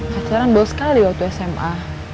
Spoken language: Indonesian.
kacaran bos kali waktu sma